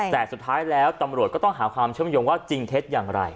แต่สุดท้ายแล้วตำรวจก็ต้องหาความเชื่อมโยงว่าจริงเท็จอย่างไร